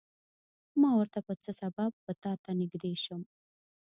ما ورته په څه سبب به تاته نږدې شم.